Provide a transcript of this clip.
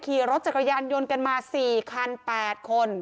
ขี่รถจักรยานยนต์กันมา๔คัน๘คน